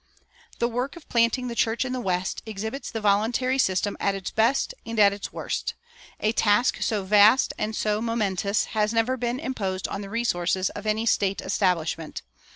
The work of planting the church in the West exhibits the voluntary system at its best and at its worst. A task so vast and so momentous has never been imposed on the resources of any state establishment.